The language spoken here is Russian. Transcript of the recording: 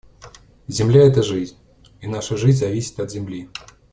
Земля — это жизнь, и наша жизнь зависит от земли.